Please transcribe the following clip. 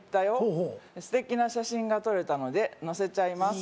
ほうほう「素敵な写真が撮れたので載せちゃいます」